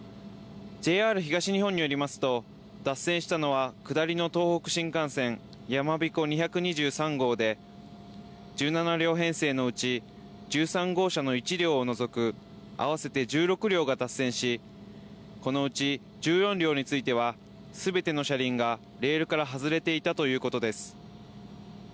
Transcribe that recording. ＪＲ東日本によりますと、脱線したのは、下りの東北新幹線やまびこ２２３号で、１７両編成のうち、１３号車の１両を除く合わせて１６両が脱線し、このうち１４両については、すべての車輪がレールから外れていたということです。